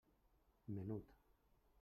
Menut.